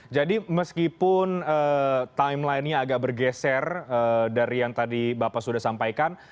jadi meskipun timelinenya agak bergeser dari yang tadi bapak sudah sampaikan